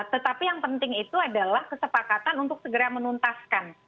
tetapi yang penting itu adalah kesepakatan untuk segera menuntaskan